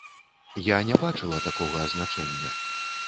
Я не бачыла такога азначэння.